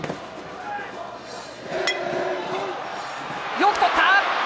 よくとった！